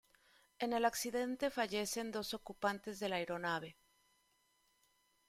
En el accidente fallecen los dos ocupantes de la aeronave.